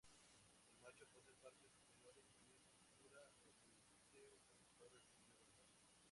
El macho posee partes superiores gris oscuro oliváceo con suave brillo verdoso.